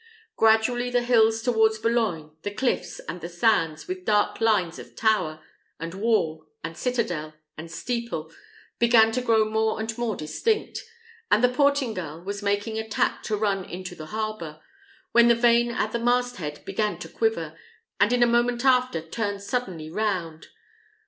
Gradually the hills towards Boulogne, the cliffs, and the sands, with dark lines of tower, and wall, and citadel, and steeple, began to grow more and more distinct; and the Portingal was making a tack to run into the harbour, when the vane at the mast head began to quiver, and in a moment after turned suddenly round.